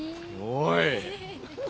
おい！